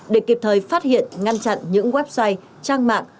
để kịp thời phát hiện ngăn chặn những website trang mạng